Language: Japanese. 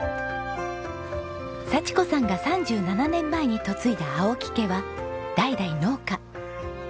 幸子さんが３７年前に嫁いだ青木家は代々農家。